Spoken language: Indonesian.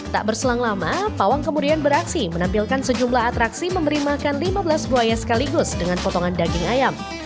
tak berselang lama pawang kemudian beraksi menampilkan sejumlah atraksi memberi makan lima belas buaya sekaligus dengan potongan daging ayam